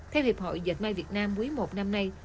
theo hiệp hội dệt may việt nam quý i năm nay